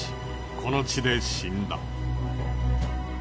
この地で死んだ。